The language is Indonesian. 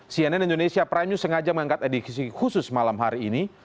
cnn indonesia prime news sengaja mengangkat edisi khusus malam hari ini